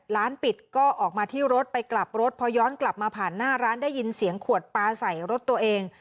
ร้านปิดก็ออกมาที่รถไปกลับรถพอย้อนกลับมาผ่านหน้าร้านได้ยินเสียงขวดปลาใส่รถตัวเอง